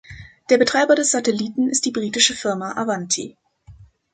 Der Betreiber des Satelliten ist die britische Firma Avanti.